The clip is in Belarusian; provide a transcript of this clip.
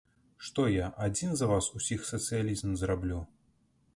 Што я, адзін за вас усіх сацыялізм зраблю?